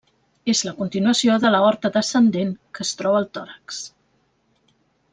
És la continuació de l'aorta descendent -que es troba al tòrax.